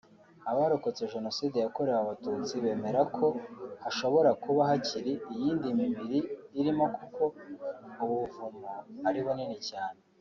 Abarokotse Jenoside yakorewe Abatutsi bemeza ko hashobora kuba hakiri iyindi mibiri irimo kuko ubu buvumo ari bunini cyane